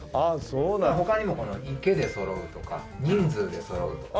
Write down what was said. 他にもこの池でそろうとか人数でそろうとか。